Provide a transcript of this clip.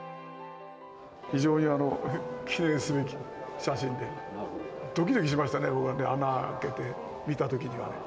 非常に記念すべき写真で、どきどきしましたね、僕は穴を開けて見たときには。